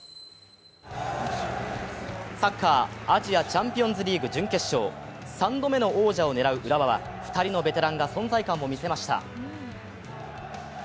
サッカー、アジアチャンピオンズリーグ準決勝３度目の王者を狙う浦和は２人のベテランが存在感を見せました。